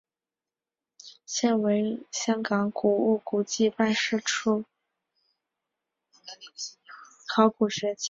现为香港古物古迹办事处考古学家。